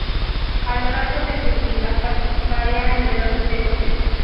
A lo largo de su vida participaría en numerosos negocios.